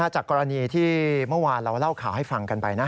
จากกรณีที่เมื่อวานเราเล่าข่าวให้ฟังกันไปนะ